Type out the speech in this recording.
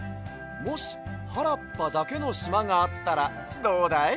もしはらっぱだけのしまがあったらどうだい？